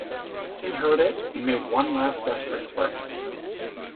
He heard it and made one last desperate spurt.